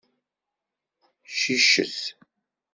Ciccet.